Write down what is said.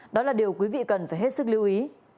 đó là điều quý vị cần phải hết sức lưu ý